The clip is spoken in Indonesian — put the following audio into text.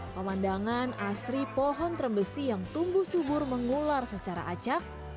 pemandangan asri pohon trembesi yang tumbuh subur mengular secara acak